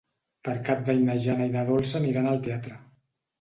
Per Cap d'Any na Jana i na Dolça aniran al teatre.